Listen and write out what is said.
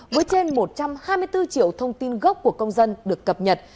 với trên một trăm hai mươi bốn triệu thông tin gốc của công dân được cập nhật